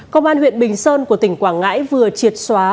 công an huyện bình sơn của tỉnh quảng ngãi vừa triệt xóa